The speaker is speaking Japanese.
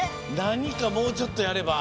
なにかもうちょっとやれば。